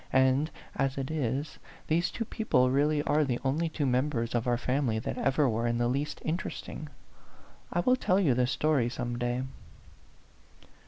And as it is, these two people really are the only two members of our family that ever were in the least interesting. I will tell you the story some day."